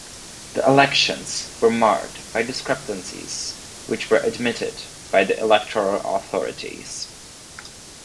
The elections were marred by discrepancies, which were admitted by the electoral authorities.